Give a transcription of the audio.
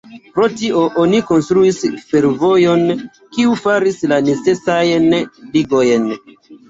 Pro tio oni konstruis fervojon, kiu faris la necesajn ligojn.